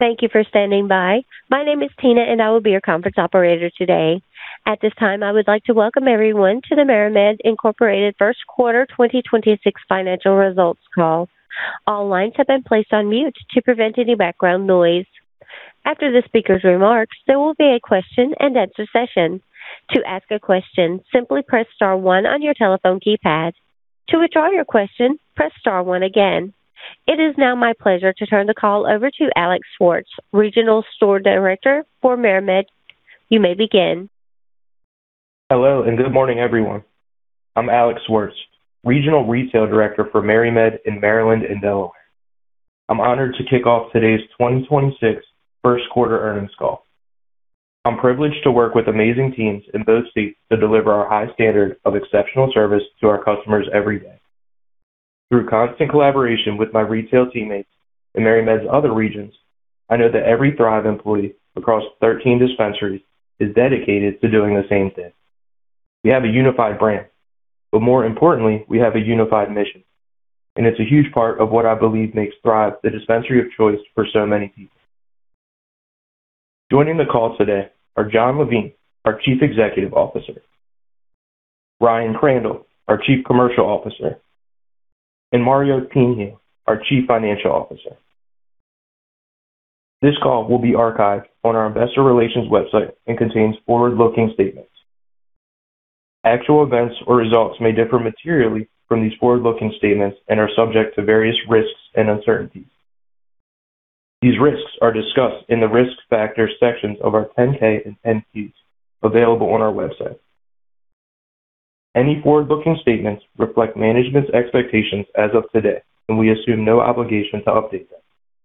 Thank you for standing by. My name is Tina, and I will be your conference operator today. At this time, I would like to welcome everyone to the MariMed Inc. First Quarter 2026 financial results call. All lines have been placed on mute to prevent any background noise. After the speaker's remarks, there will be a question-and-answer session. To ask a question, simply press star one on your telephone keypad. To withdraw your question, press star one again. It is now my pleasure to turn the call over to Alex Swartz, Regional Store Director for MariMed. You may begin. Hello, good morning, everyone. I'm Alex Swartz, Regional Retail Director for MariMed in Maryland and Delaware. I'm honored to kick off today's 2026 First Quarter Earnings Call. I'm privileged to work with amazing teams in those states to deliver our high standard of exceptional service to our customers every day. Through constant collaboration with my retail teammates in MariMed's other regions, I know that every Thrive employee across 13 dispensaries is dedicated to doing the same thing. We have a unified brand, but more importantly, we have a unified mission, and it's a huge part of what I believe makes Thrive the dispensary of choice for so many people. Joining the call today are Jon Levine, our Chief Executive Officer, Ryan Crandall, our Chief Commercial Officer, and Mario Pinho, our Chief Financial Officer. This call will be archived on our investor relations website and contains forward-looking statements. Actual events or results may differ materially from these forward-looking statements and are subject to various risks and uncertainties. These risks are discussed in the Risk Factors sections of our 10-K and 10-Q available on our website. Any forward-looking statements reflect management's expectations as of today, and we assume no obligation to update them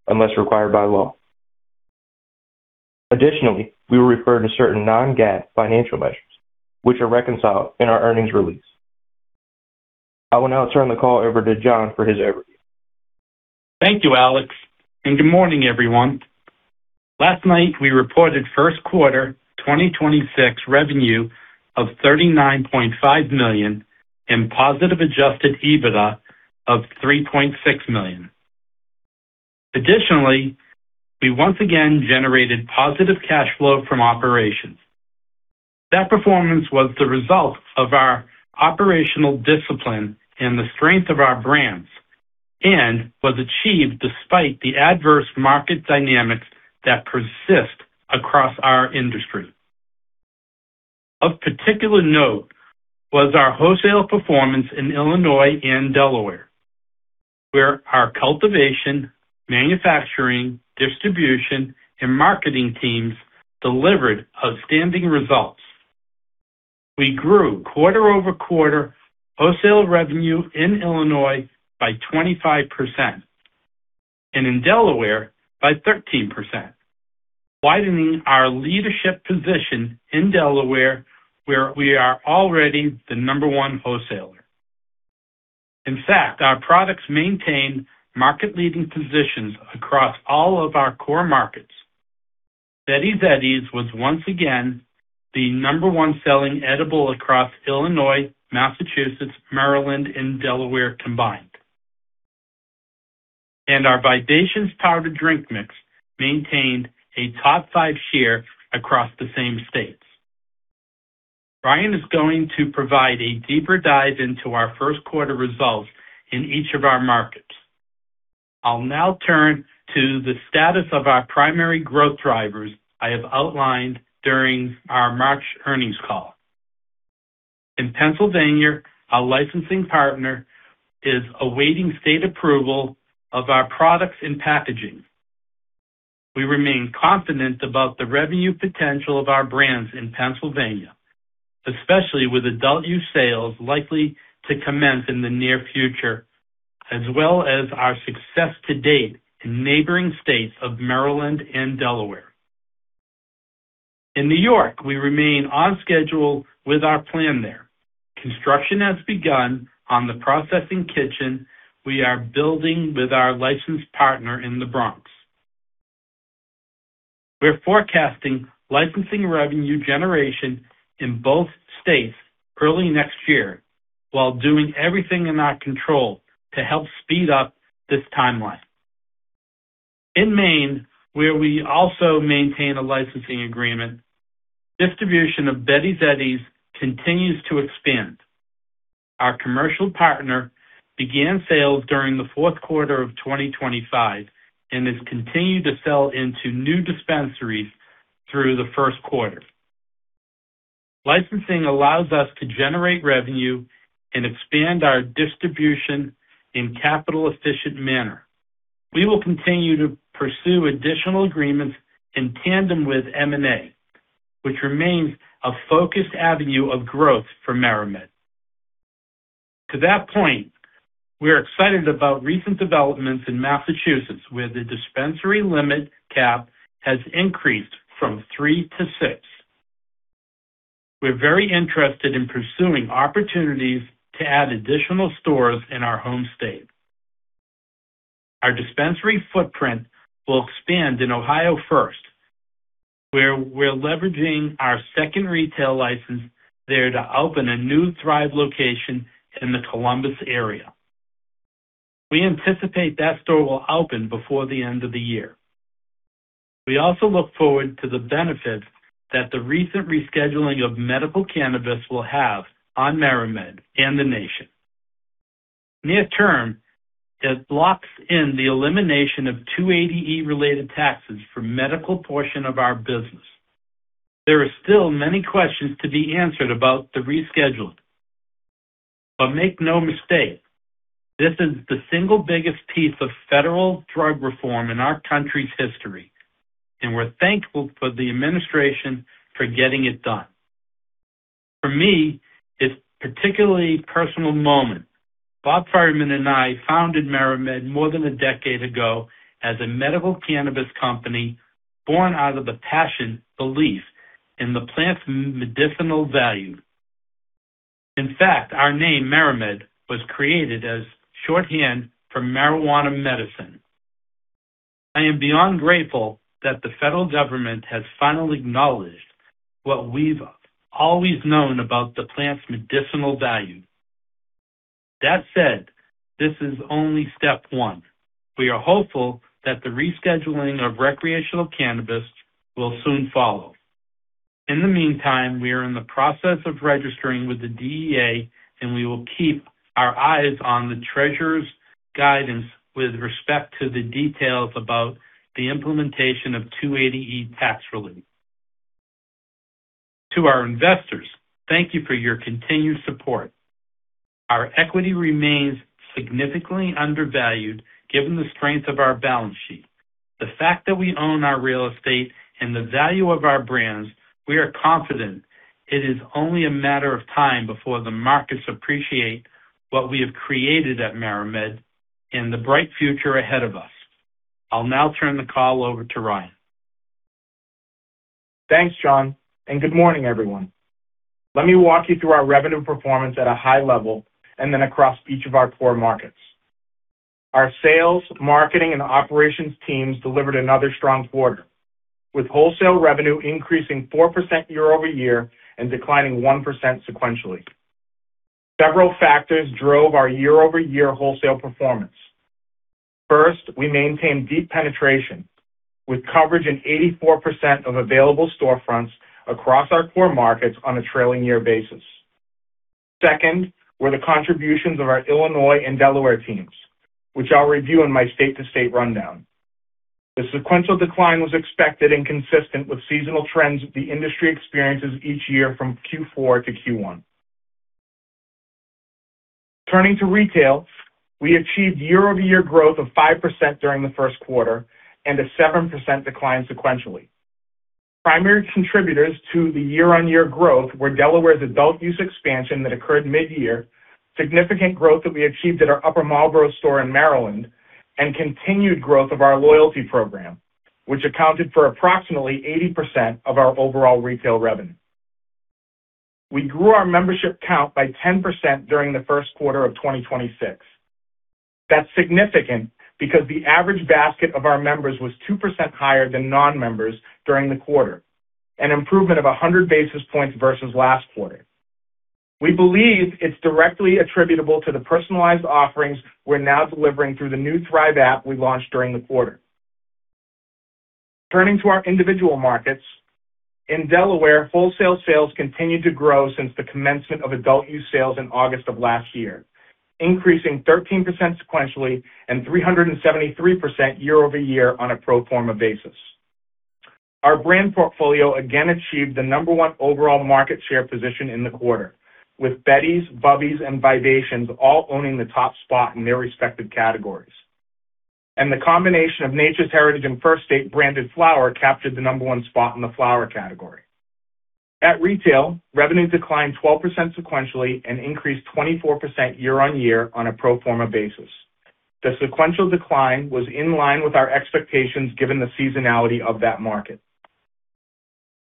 unless required by law. Additionally, we refer to certain non-GAAP financial measures, which are reconciled in our earnings release. I will now turn the call over to Jon for his opening. Thank you, Alex. Good morning, everyone. Last night, we reported first quarter 2026 revenue of $39.5 million and positive adjusted EBITDA of $3.6 million. Additionally, we once again generated positive cash flow from operations. That performance was the result of our operational discipline and the strength of our brands and was achieved despite the adverse market dynamics that persist across our industry. Of particular note was our wholesale performance in Illinois and Delaware, where our cultivation, manufacturing, distribution, and marketing teams delivered outstanding results. We grew quarter-over-quarter wholesale revenue in Illinois by 25% and in Delaware by 13%, widening our leadership position in Delaware, where we are already the number one wholesaler. In fact, our products maintain market-leading positions across all of our core markets. Betty's Eddies was once again the number one-selling edible across Illinois, Massachusetts, Maryland, and Delaware combined. Our Vibations powdered drink mix maintained a top five share across the same states. Ryan is going to provide a deeper dive into our first quarter results in each of our markets. I'll now turn to the status of our primary growth drivers I have outlined during our March earnings call. In Pennsylvania, our licensing partner is awaiting state approval of our products and packaging. We remain confident about the revenue potential of our brands in Pennsylvania, especially with adult use sales likely to commence in the near future, as well as our success to date in neighboring states of Maryland and Delaware. In New York, we remain on schedule with our plan there. Construction has begun on the processing kitchen we are building with our licensed partner in the Bronx. We're forecasting licensing revenue generation in both states early next year while doing everything in our control to help speed up this timeline. In Maine, where we also maintain a licensing agreement, distribution of Betty's Eddies continues to expand. Our commercial partner began sales during the fourth quarter of 2025 and has continued to sell into new dispensaries through the first quarter. Licensing allows us to generate revenue and expand our distribution in capital-efficient manner. We will continue to pursue additional agreements in tandem with M&A, which remains a focused avenue of growth for MariMed. To that point, we are excited about recent developments in Massachusetts, where the dispensary limit cap has increased from three to six. We're very interested in pursuing opportunities to add additional stores in our home state. Our dispensary footprint will expand in Ohio first. Where we're leveraging our second retail license there to open a new Thrive location in the Columbus area. We anticipate that store will open before the end of the year. We also look forward to the benefits that the recent rescheduling of medical cannabis will have on MariMed and the nation. Near term, it locks in the elimination of 280E related taxes for medical portion of our business. There are still many questions to be answered about the rescheduling. Make no mistake, this is the single biggest piece of federal drug reform in our country's history, and we're thankful for the administration for getting it done. For me, it's particularly personal moment. Bob Fireman and I founded MariMed more than a decade ago as a medical cannabis company born out of a passion, belief in the plant's medicinal value. In fact, our name MariMed was created as shorthand for marijuana medicine. I am beyond grateful that the federal government has finally acknowledged what we've always known about the plant's medicinal value. That said, this is only step one. We are hopeful that the rescheduling of recreational cannabis will soon follow. In the meantime, we are in the process of registering with the DEA, and we will keep our eyes on the Treasurer's guidance with respect to the details about the implementation of 280E tax relief. To our investors, thank you for your continued support. Our equity remains significantly undervalued, given the strength of our balance sheet. The fact that we own our real estate and the value of our brands, we are confident it is only a matter of time before the markets appreciate what we have created at MariMed and the bright future ahead of us. I'll now turn the call over to Ryan. Thanks, Jon, and good morning, everyone. Let me walk you through our revenue performance at a high level and then across each of our core markets. Our sales, marketing, and operations teams delivered another strong quarter, with wholesale revenue increasing 4% year-over-year and declining 1% sequentially. Several factors drove our year-over-year wholesale performance. First, we maintained deep penetration with coverage in 84% of available storefronts across our core markets on a trailing-year basis. Second, were the contributions of our Illinois and Delaware teams, which I'll review in my state-to-state rundown. The sequential decline was expected and consistent with seasonal trends the industry experiences each year from Q4 to Q1. Turning to retail, we achieved year-over-year growth of 5% during the first quarter and a 7% decline sequentially. Primary contributors to the year-on-year growth were Delaware's adult use expansion that occurred mid-year, significant growth that we achieved at our Upper Marlboro store in Maryland, and continued growth of our loyalty program, which accounted for approximately 80% of our overall retail revenue. We grew our membership count by 10% during the first quarter of 2026. That's significant because the average basket of our members was 2% higher than non-members during the quarter, an improvement of 100 basis points versus last quarter. We believe it's directly attributable to the personalized offerings we're now delivering through the new Thrive app we launched during the quarter. Turning to our individual markets. In Delaware, wholesale sales continued to grow since the commencement of adult use sales in August of last year, increasing 13% sequentially and 373% year-over-year on a pro forma basis. Our brand portfolio again achieved the number one overall market share position in the quarter, with Betty's, Bubby's, and Vibations all owning the top spot in their respective categories. The combination of Nature's Heritage and First State branded flower captured the number one spot in the flower category. At retail, revenue declined 12% sequentially and increased 24% year-on-year on a pro forma basis. The sequential decline was in line with our expectations, given the seasonality of that market.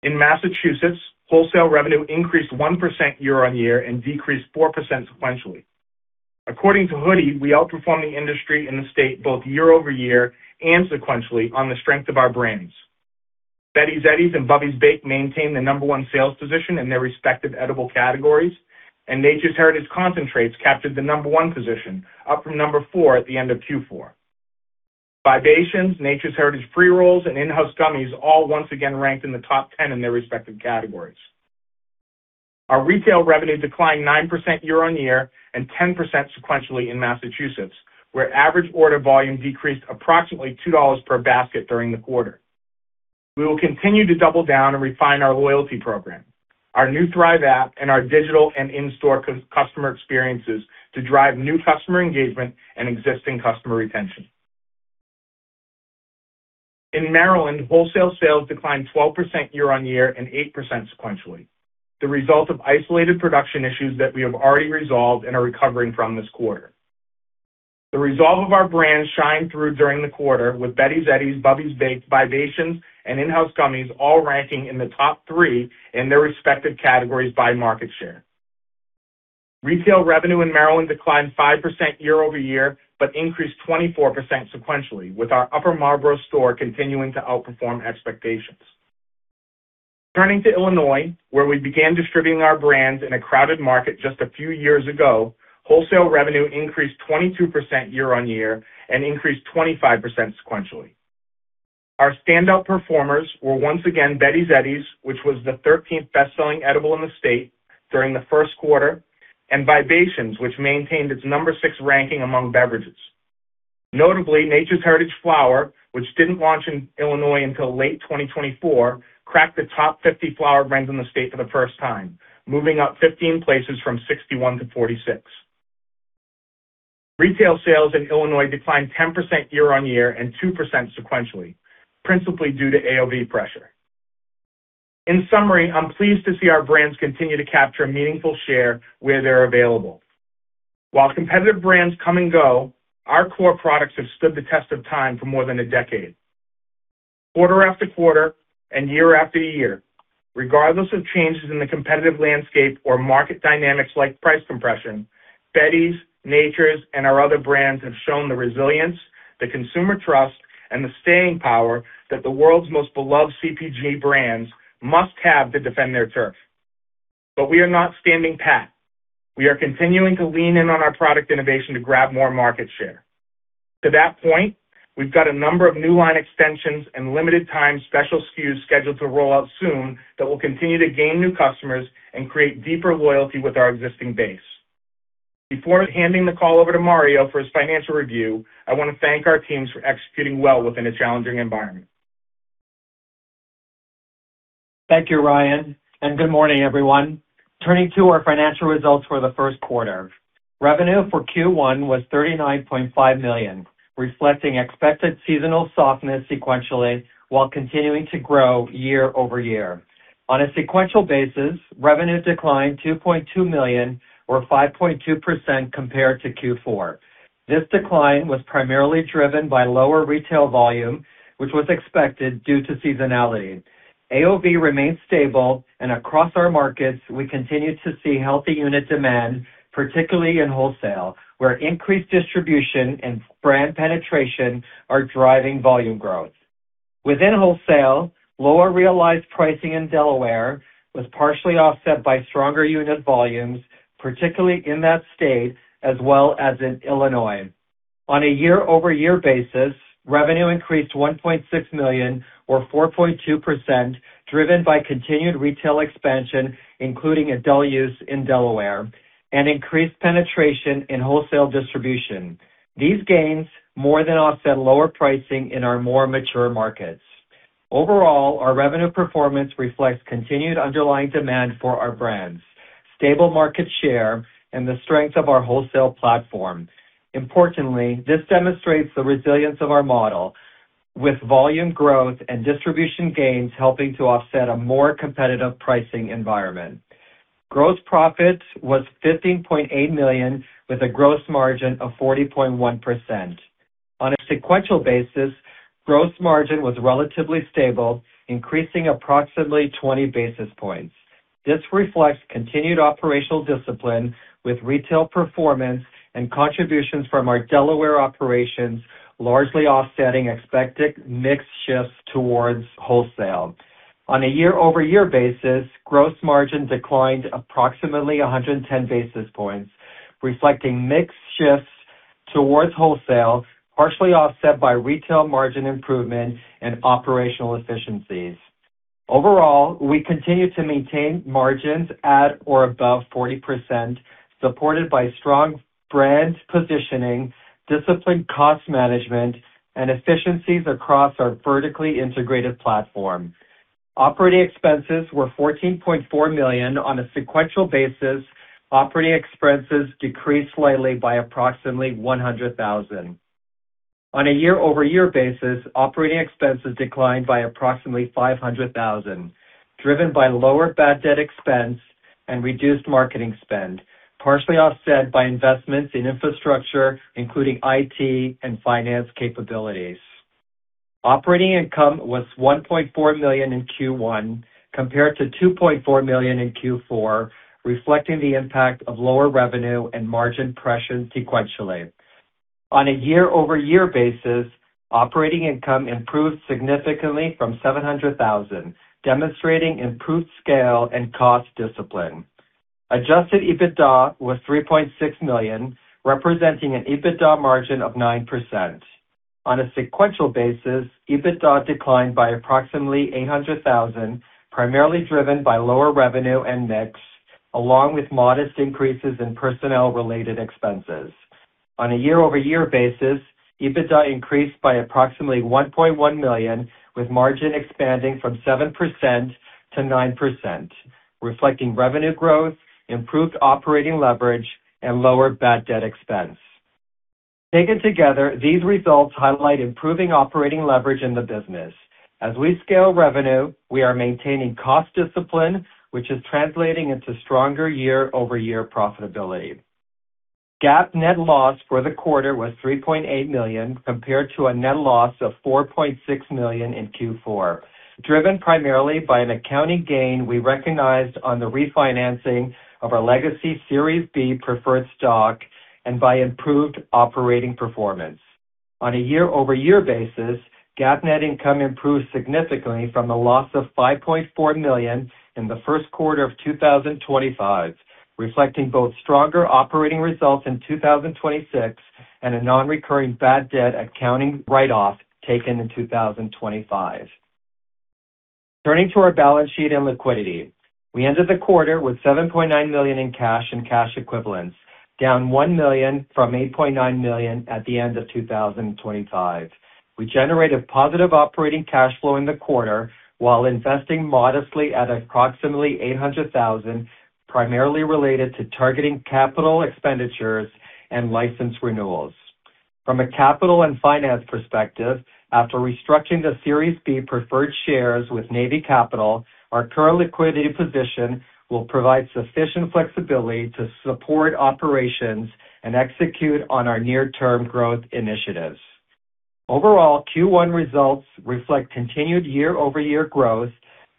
In Massachusetts, wholesale revenue increased 1% year-on-year and decreased 4% sequentially. According to Hoodie, we outperforming the industry in the state both year-over-year and sequentially on the strength of our brands. Betty's Eddies and Bubby's Baked maintain the number one sales position in their respective edible categories, and Nature's Heritage concentrates captured the number one position, up from number four at the end of Q4. Vibations, Nature's Heritage pre-rolls, and InHouse gummies all once again ranked in the top 10 in their respective categories. Our retail revenue declined 9% year-on-year and 10% sequentially in Massachusetts, where average order volume decreased approximately $2 per basket during the quarter. We will continue to double down and refine our loyalty program, our new Thrive app, and our digital and in-store customer experiences to drive new customer engagement and existing customer retention. In Maryland, wholesale sales declined 12% year-on-year and 8% sequentially. The result of isolated production issues that we have already resolved and are recovering from this quarter. The resolve of our brands shined through during the quarter with Betty's Eddies, Bubby's Baked, Vibations, and InHouse gummies all ranking in the top three in their respective categories by market share. Retail revenue in Maryland declined 5% year-over-year, but increased 24% sequentially, with our Upper Marlboro store continuing to outperform expectations. Turning to Illinois, where we began distributing our brands in a crowded market just a few years ago, wholesale revenue increased 22% year-on-year and increased 25% sequentially. Our standout performers were once again Betty's Eddies, which was the 13th best-selling edible in the state during the first quarter, and Vibations, which maintained its number six ranking among beverages. Notably, Nature's Heritage flower, which didn't launch in Illinois until late 2024, cracked the top 50 flower brands in the state for the first time, moving up 15 places from 61 to 46. Retail sales in Illinois declined 10% year-on-year and 2% sequentially, principally due to AOV pressure. In summary, I'm pleased to see our brands continue to capture a meaningful share where they're available. While competitive brands come and go, our core products have stood the test of time for more than a decade. Quarter-after-quarter and year-after-year, regardless of changes in the competitive landscape or market dynamics like price compression, Betty's, Nature's, and our other brands have shown the resilience, the consumer trust, and the staying power that the world's most beloved CPG brands must have to defend their turf. We are not standing pat. We are continuing to lean in on our product innovation to grab more market share. To that point, we've got a number of new line extensions and limited time special SKUs scheduled to roll out soon that will continue to gain new customers and create deeper loyalty with our existing base. Before handing the call over to Mario for his financial review, I wanna thank our teams for executing well within a challenging environment. Thank you, Ryan, and good morning, everyone. Turning to our financial results for the first quarter. Revenue for Q1 was $39.5 million, reflecting expected seasonal softness sequentially, while continuing to grow year-over-year. On a sequential basis, revenue declined $2.2 million or 5.2% compared to Q4. This decline was primarily driven by lower retail volume, which was expected due to seasonality. AOV remains stable and across our markets, we continue to see healthy unit demand, particularly in wholesale, where increased distribution and brand penetration are driving volume growth. Within wholesale, lower realized pricing in Delaware was partially offset by stronger unit volumes, particularly in that state as well as in Illinois. On a year-over-year basis, revenue increased $1.6 million or 4.2%, driven by continued retail expansion, including adult use in Delaware and increased penetration in wholesale distribution. These gains more than offset lower pricing in our more mature markets. Overall, our revenue performance reflects continued underlying demand for our brands, stable market share, and the strength of our wholesale platform. Importantly, this demonstrates the resilience of our model with volume growth and distribution gains helping to offset a more competitive pricing environment. Gross profit was $15.8 million with a gross margin of 40.1%. On a sequential basis, gross margin was relatively stable, increasing approximately 20 basis points. This reflects continued operational discipline with retail performance and contributions from our Delaware operations, largely offsetting expected mix shifts towards wholesale. On a year-over-year basis, gross margin declined approximately 110 basis points, reflecting mix shifts towards wholesale, partially offset by retail margin improvement and operational efficiencies. Overall, we continue to maintain margins at or above 40%, supported by strong brand positioning, disciplined cost management, and efficiencies across our vertically integrated platform. Operating expenses were $14.4 million on a sequential basis. Operating expenses decreased slightly by approximately $100,000. On a year-over-year basis, operating expenses declined by approximately $500,000, driven by lower bad debt expense and reduced marketing spend, partially offset by investments in infrastructure, including IT and finance capabilities. Operating income was $1.4 million in Q1 compared to $2.4 million in Q4, reflecting the impact of lower revenue and margin pressure sequentially. On a year-over-year basis, operating income improved significantly from $700,000, demonstrating improved scale and cost discipline. Adjusted EBITDA was $3.6 million, representing an EBITDA margin of 9%. On a sequential basis, EBITDA declined by approximately $800,000, primarily driven by lower revenue and mix, along with modest increases in personnel-related expenses. On a year-over-year basis, EBITDA increased by approximately $1.1 million, with margin expanding from 7% to 9%, reflecting revenue growth, improved operating leverage and lower bad debt expense. Taken together, these results highlight improving operating leverage in the business. As we scale revenue, we are maintaining cost discipline, which is translating into stronger year-over-year profitability. GAAP net loss for the quarter was $3.8 million compared to a net loss of $4.6 million in Q4, driven primarily by an accounting gain we recognized on the refinancing of our legacy Series B preferred stock and by improved operating performance. On a year-over-year basis, GAAP net income improved significantly from a loss of $5.4 million in the first quarter of 2025, reflecting both stronger operating results in 2026 and a non-recurring bad debt accounting write-off taken in 2025. Turning to our balance sheet and liquidity. We ended the quarter with $7.9 million in cash and cash equivalents, down $1 million from $8.9 million at the end of 2025. We generated positive operating cash flow in the quarter while investing modestly at approximately $800,000, primarily related to targeting capital expenditures and license renewals. From a capital and finance perspective, after restructuring the Series B preferred shares with Navy Capital, our current liquidity position will provide sufficient flexibility to support operations and execute on our near-term growth initiatives. Overall, Q1 results reflect continued year-over-year growth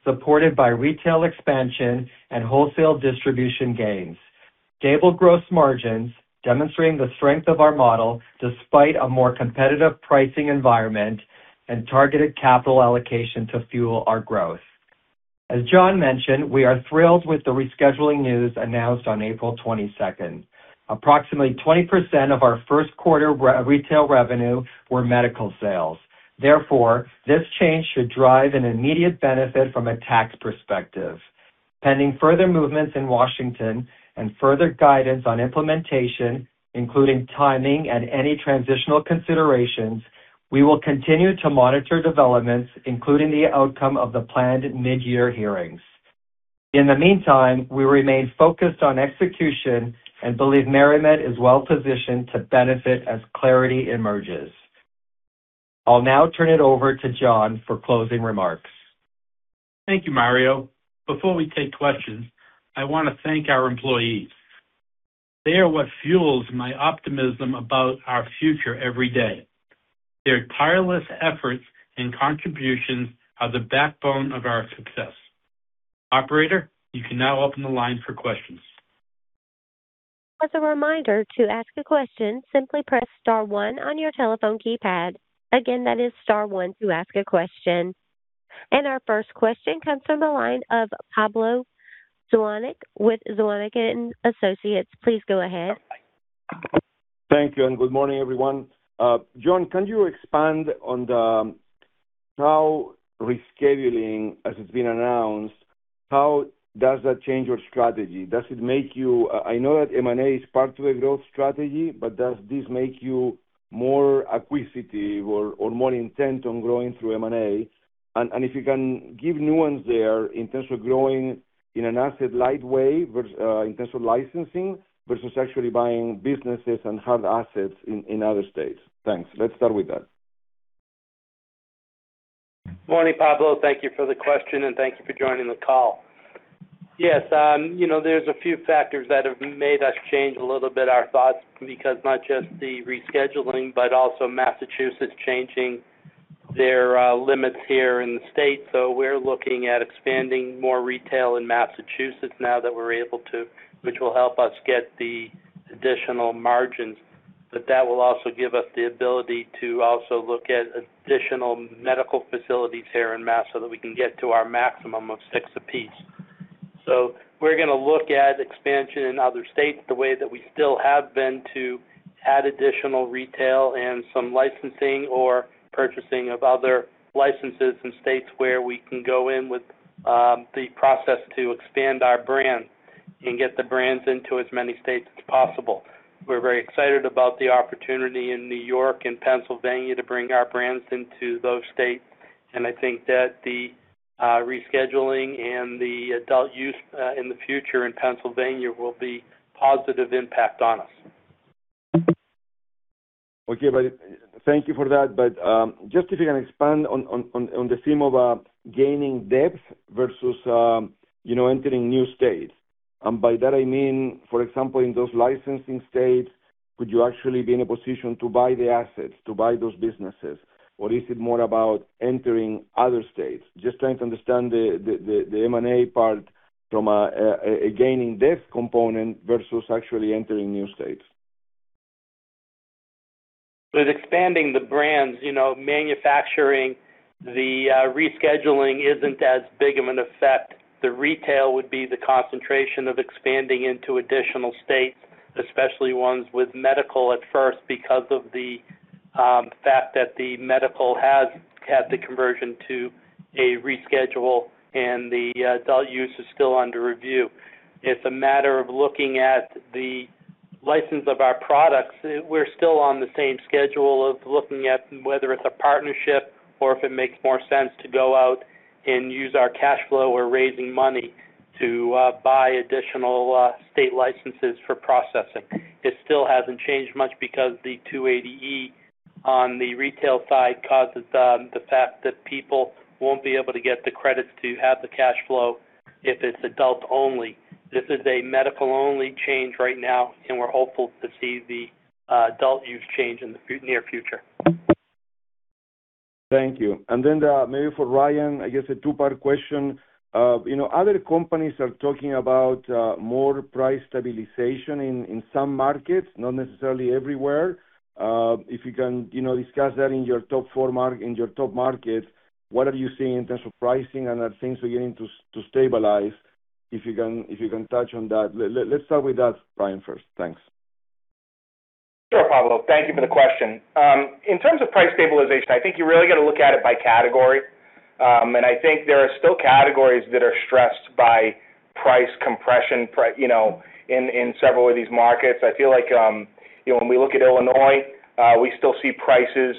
supported by retail expansion and wholesale distribution gains. Stable gross margins demonstrating the strength of our model despite a more competitive pricing environment and targeted capital allocation to fuel our growth. As Jon mentioned, we are thrilled with the rescheduling news announced on April 22nd. Approximately 20% of our first quarter retail revenue were medical sales. Therefore, this change should drive an immediate benefit from a tax perspective. Pending further movements in Washington and further guidance on implementation, including timing and any transitional considerations, we will continue to monitor developments, including the outcome of the planned mid-year hearings. In the meantime, we remain focused on execution and believe MariMed is well-positioned to benefit as clarity emerges. I'll now turn it over to Jon for closing remarks. Thank you, Mario. Before we take questions, I wanna thank our employees. They are what fuels my optimism about our future every day. Their tireless efforts and contributions are the backbone of our success. Operator, you can now open the line for questions. As a reminder, to ask a question, simply press star one on your telephone keypad. Again, that is star one to ask a question. Our first question comes from the line of Pablo Zuanic with Zuanic & Associates. Please go ahead. Thank you. Good morning, everyone. Jon, can you expand on how rescheduling, as it's been announced, how does that change your strategy? Does it make you, I know that M&A is part of a growth strategy, but does this make you more acquisitive or more intent on growing through M&A? If you can give nuance there in terms of growing in an asset-light way versus in terms of licensing versus actually buying businesses and hard assets in other states. Thanks. Let's start with that. Morning, Pablo. Thank you for the question, and thank you for joining the call. Yes, you know, there's a few factors that have made us change a little bit our thoughts because not just the rescheduling but also Massachusetts changing their limits here in the state. We're looking at expanding more retail in Massachusetts now that we're able to, which will help us get the additional margins. That will also give us the ability to also look at additional medical facilities here in Massachusetts so that we can get to our maximum of six apiece. We're gonna look at expansion in other states the way that we still have been to add additional retail and some licensing or purchasing of other licenses in states where we can go in with, the process to expand our brand and get the brands into as many states as possible. We're very excited about the opportunity in New York and Pennsylvania to bring our brands into those states. I think that the rescheduling and the adult use in the future in Pennsylvania will be positive impact on us. Thank you for that. Just if you can expand on the theme of gaining depth versus, you know, entering new states. By that I mean, for example, in those licensing states, could you actually be in a position to buy the assets, to buy those businesses? Is it more about entering other states? Just trying to understand the M&A part from a gaining depth component versus actually entering new states. With expanding the brands, you know, manufacturing, the rescheduling isn't as big of an effect. The retail would be the concentration of expanding into additional states, especially ones with medical at first because of the fact that the medical has had the conversion to a reschedule and the adult use is still under review. It's a matter of looking at the license of our products. We're still on the same schedule of looking at whether it's a partnership or if it makes more sense to go out and use our cash flow or raising money to buy additional state licenses for processing. It still hasn't changed much because the 280E. On the retail side, the fact that people won't be able to get the credits to have the cash flow if it's adult only. This is a medical-only change right now, and we're hopeful to see the adult use change in the near future. Thank you. Maybe for Ryan, I guess a two-part question. You know, other companies are talking about more price stabilization in some markets, not necessarily everywhere. If you can, you know, discuss that in your top four in your top markets, what are you seeing in terms of pricing and are things beginning to stabilize? If you can touch on that. Let's start with that, Ryan, first. Thanks. Sure, Pablo. Thank you for the question. In terms of price stabilization, I think you really gotta look at it by category. I think there are still categories that are stressed by price compression, you know, in several of these markets. I feel like, you know, when we look at Illinois, we still see prices,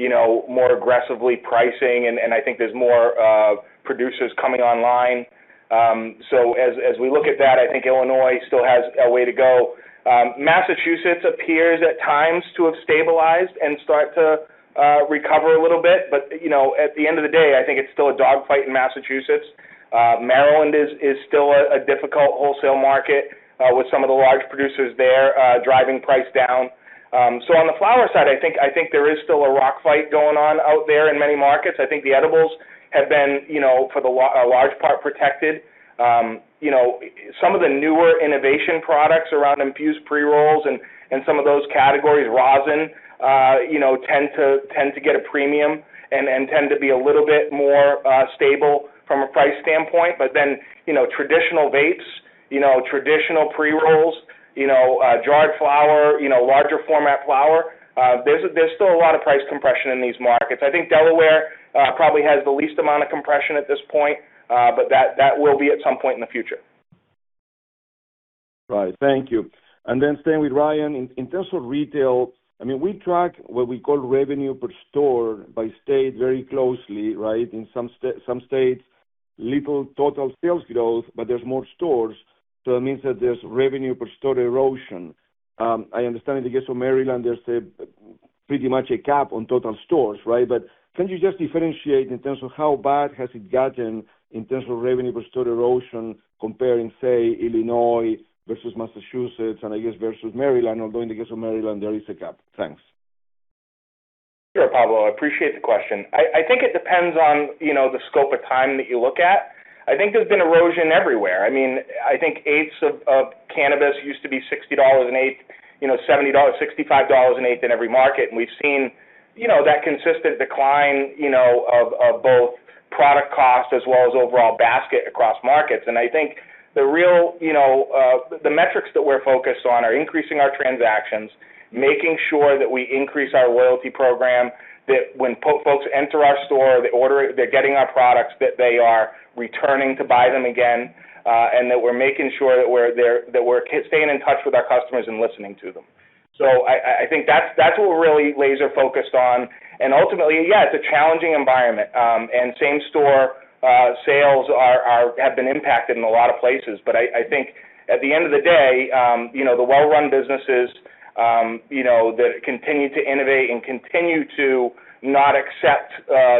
you know, more aggressively pricing, and I think there's more producers coming online. As we look at that, I think Illinois still has a way to go. Massachusetts appears at times to have stabilized and start to recover a little bit, but, you know, at the end of the day, I think it's still a dog fight in Massachusetts. Maryland is still a difficult wholesale market, with some of the large producers there, driving price down. On the flower side, I think there is still a rock fight going on out there in many markets. I think the edibles have been, you know, for a large part protected. You look, some of the newer innovation products around infused pre-rolls and some of those categories, rosin, you know, tend to get a premium and tend to be a little bit more stable from a price standpoint. You know, traditional vapes, you know, traditional pre-rolls, you know, jarred flower, you know, larger format flower, there's still a lot of price compression in these markets. I think Delaware, probably has the least amount of compression at this point, but that will be at some point in the future. Right. Thank you. Staying with Ryan, in terms of retail, I mean, we track what we call revenue per store by state very closely, right? In some states, little total sales growth, but there's more stores, so it means that there's revenue per store erosion. I understand, I guess, from Maryland, there's a pretty much a cap on total stores, right? Can you just differentiate in terms of how bad has it gotten in terms of revenue per store erosion comparing, say, Illinois versus Massachusetts and I guess versus Maryland, although I guess in Maryland, there is a cap. Thanks. Sure, Pablo. I appreciate the question. I think it depends on, you know, the scope of time that you look at. I think there's been erosion everywhere. I mean, I think eighths of cannabis used to be $60 an eighth, you know, $70, $65 an eighth in every market. We've seen, you know, that consistent decline, you know, of both product cost as well as overall basket across markets. I think the real, you know, The metrics that we're focused on are increasing our transactions, making sure that we increase our loyalty program, that when folks enter our store, they order it, they're getting our products, that they are returning to buy them again, and that we're making sure that we're there, that we're staying in touch with our customers and listening to them. I think that's what we're really laser focused on. Ultimately, yeah, it's a challenging environment. And same store sales have been impacted in a lot of places. I think at the end of the day, you know, the well-run businesses, you know, that continue to innovate and continue to not accept,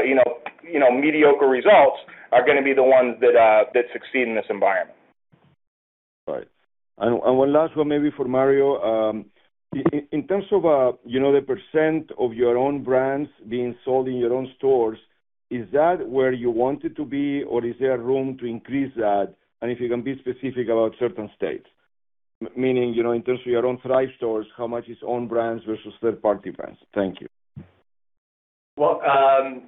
you know, mediocre results are gonna be the ones that succeed in this environment. Right. One last one maybe for Mario. In terms of, you know, the percent of your own brands being sold in your own stores, is that where you want it to be, or is there room to increase that? If you can be specific about certain states, meaning, you know, in terms of your own Thrive stores, how much is own brands versus third party brands? Thank you. Ryan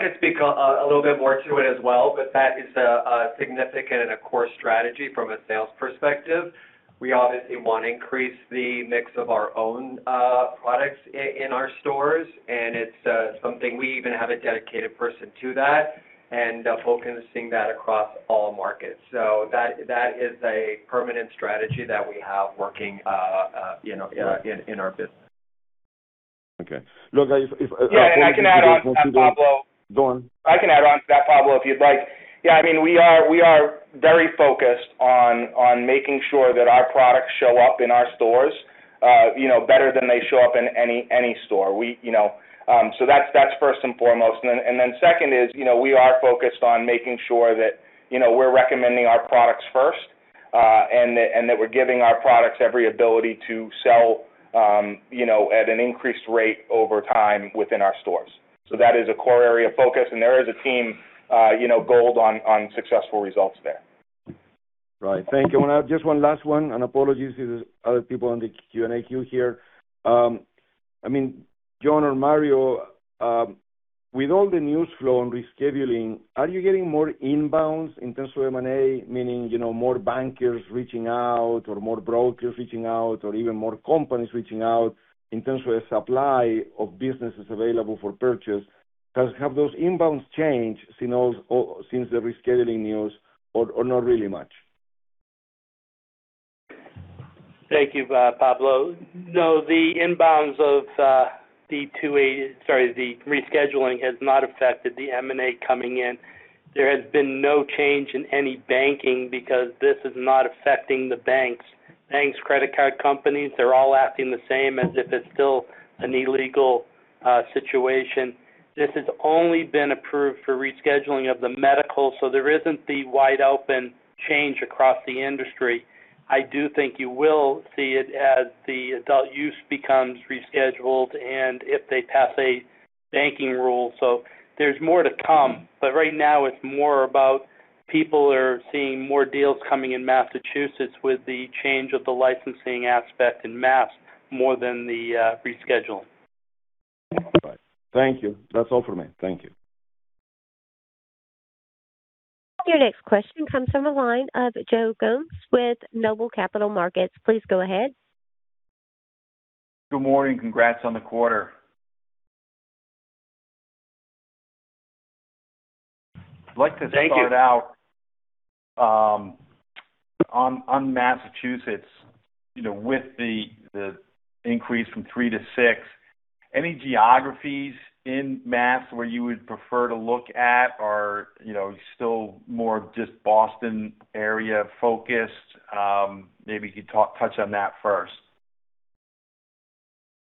can speak a little bit more to it as well, but that is a significant and a core strategy from a sales perspective. We obviously want to increase the mix of our own products in our stores, and it's something we even have a dedicated person to that and focusing that across all markets. That is a permanent strategy that we have working, you know, in our business. Okay. Look, if, apologies if I went through. Yeah, I can add on to that, Pablo. Go on. I can add on to that, Pablo, if you'd like. Yeah, I mean, we are very focused on making sure that our products show up in our stores, you know, better than they show up in any store. We, you know, That's first and foremost. Then second is, you know, we are focused on making sure that, you know, we're recommending our products first, and that we're giving our products every ability to sell, you know, at an increased rate over time within our stores. That is a core area of focus, and there is a team, you know, gold on successful results there. Right. Thank you. I have just one last one, and apologies to the other people on the Q&A queue here. I mean, Jon or Mario, with all the news flow on rescheduling, are you getting more inbounds in terms of M&A, meaning, you know, more bankers reaching out or more brokers reaching out or even more companies reaching out in terms of the supply of businesses available for purchase? Have those inbounds changed since the rescheduling news or not really much? Thank you, Pablo. No, the inbounds of the rescheduling has not affected the M&A coming in. There has been no change in any banking because this is not affecting the banks. Banks, credit card companies, they're all acting the same as if it's still an illegal situation. This has only been approved for rescheduling of the medical, so there isn't the wide-open change across the industry. I do think you will see it as the adult use becomes rescheduled and if they pass a banking rule. There's more to come, but right now it's more about people are seeing more deals coming in Massachusetts with the change of the licensing aspect in Massachusetts more than the reschedule. All right. Thank you. That's all for me. Thank you. Your next question comes from a line of Joe Gomes with NOBLE Capital Markets. Please go ahead. Good morning. Congrats on the quarter. Thank you. I'd like to start out on Massachusetts, you know, with the increase from three to six. Any geographies in Massachusetts where you would prefer to look at or, you know, still more just Boston area focused? Maybe you could touch on that first.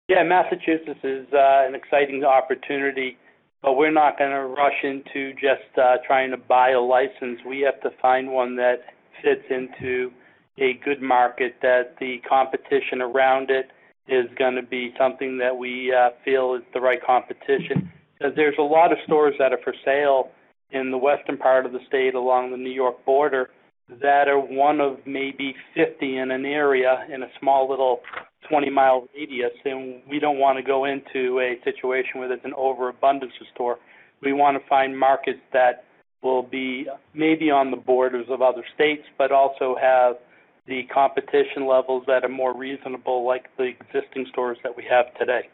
Yeah. Massachusetts is an exciting opportunity, but we're not gonna rush into just trying to buy a license. We have to find one that fits into a good market, that the competition around it is gonna be something that we feel is the right competition. There's a lot of stores that are for sale in the western part of the state along the New York border that are one of maybe 50 in an area in a small little 20-mile radius, and we don't wanna go into a situation where there's an overabundance of store. We wanna find markets that will be maybe on the borders of other states, but also have the competition levels that are more reasonable, like the existing stores that we have today.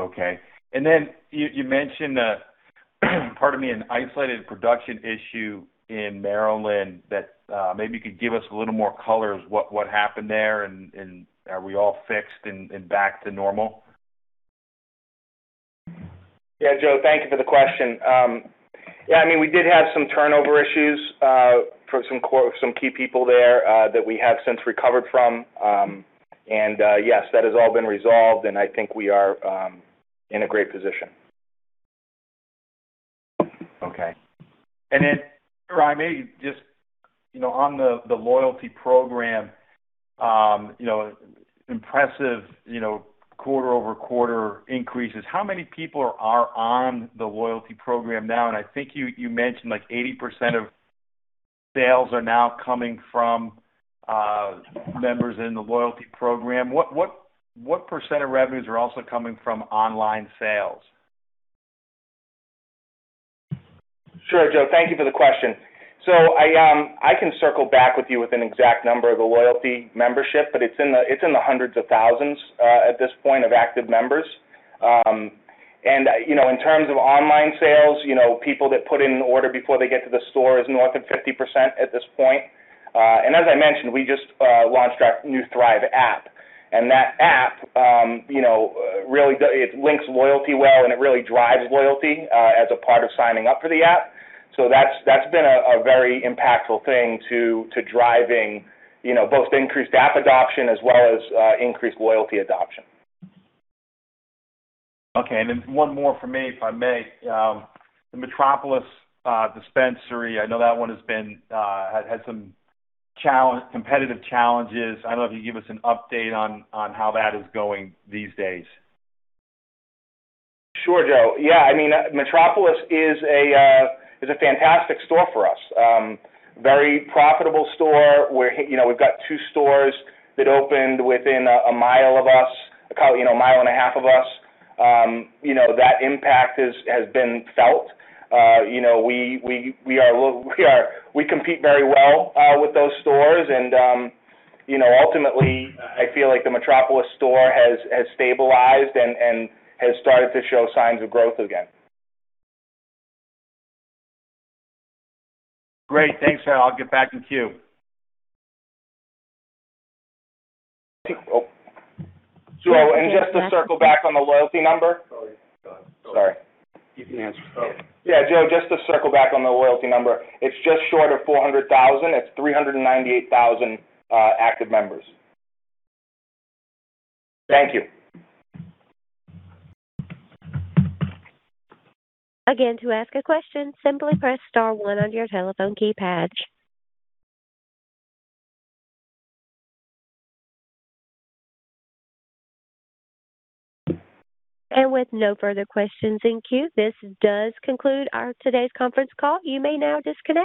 Okay. Then you mentioned, pardon me, an isolated production issue in Maryland that, maybe you could give us a little more color as what happened there and are we all fixed and back to normal? Yeah Joe, thank you for the question. I mean, we did have some turnover issues for some core, some key people there that we have since recovered from. Yes, that has all been resolved, and I think we are in a great position. Okay. If I may, just, you know, on the loyalty program, you know, impressive, you know, quarter-over-quarter increases, how many people are on the loyalty program now? I think you mentioned like 80% of sales are now coming from members in the loyalty program. What percent of revenues are also coming from online sales? Sure, Joe. Thank you for the question. I can circle back with you with an exact number of the loyalty membership, but it's in the hundreds of thousands at this point of active members. You know, in terms of online sales, you know, people that put in an order before they get to the store is north of 50% at this point. As I mentioned, we just launched our new Thrive app, and that app, you know, it links loyalty well, and it really drives loyalty as a part of signing up for the app. That's been a very impactful thing to driving, you know, both increased app adoption as well as increased loyalty adoption. Okay. One more from me, if I may. The Metropolis dispensary, I know that one has been, has had some challenge, competitive challenges. I don't know if you can give us an update on how that is going these days. Sure, Joe. Yeah. I mean, Metropolis is a fantastic store for us. Very profitable store. We're, you know, we've got two stores that opened within a mile of us, about, you know, 1.5 miles of us. You know, that impact has been felt. You know, we compete very well with those stores and, you know, ultimately, I feel like the Metropolis store has stabilized and has started to show signs of growth again. Great. Thanks. I'll get back in queue. Joe, just to circle back on the loyalty number. Sorry. Go ahead. Sorry. You can answer. It's okay. Yeah, Joe, just to circle back on the loyalty number, it's just short of 400,000. It's 398,000 active members. Thank you. Again, to ask a question, simply press star one on your telephone keypad. And with no further questions in queue, this does conclude our today's conference call. You may now disconnect.